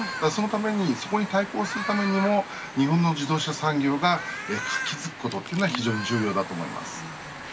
そのためにそこに対抗するためにも日本の自動車産業が活気づくということは非常に重要だと思います。